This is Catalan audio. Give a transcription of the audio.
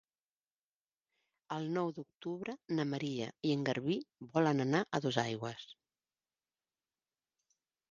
El nou d'octubre na Maria i en Garbí volen anar a Dosaigües.